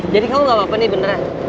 jadi kamu gak apa apa nih beneran